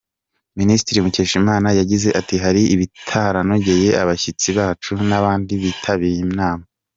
Minisitiri Mukeshimana yagize ati "Hari ibitaranogeye abashyitsi bacu n’abandi bitabiriye inama.